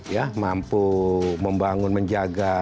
ya mampu membangun menjaga